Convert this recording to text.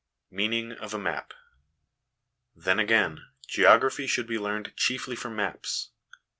Meaning of a Map. Then, again, geography should be learned chiefly from maps.